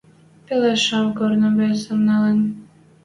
«Пелӓшем корным весӹм нӓлӹн...» —